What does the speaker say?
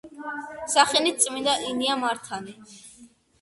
სახელით წმინდა ილია მართალი.